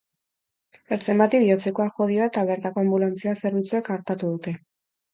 Ertzain bati bihotzekoak jo dio eta bertako anbulantzia zerbitzuek artatu dute.